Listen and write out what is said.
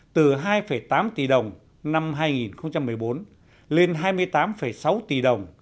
từ hai tám tỷ đồng năm hai nghìn một mươi bốn lên hai mươi tám sáu tỷ đồng